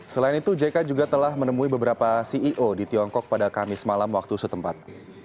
selain itu jk juga telah menemui beberapa ceo di tiongkok pada kamis malam waktu setempat